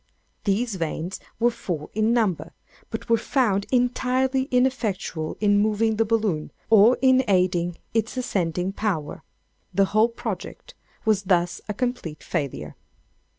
These vanes were four in number, but were found entirely ineffectual in moving the balloon, or in aiding its ascending power. The whole project was thus a complete failure.